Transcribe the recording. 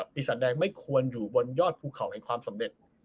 ปีศาจแดงไม่ควรอยู่บนยอดภูเขาแห่งความสำเร็จ